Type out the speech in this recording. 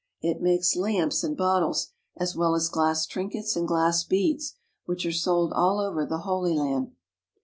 It makes lamps and bottles as well as glass trinkets and glass beads, which are sold all over the Holy Land.